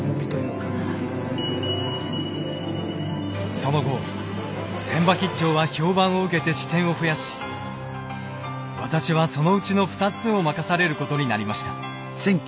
その後船場兆は評判を受けて支店を増やし私はそのうちの２つを任されることになりました。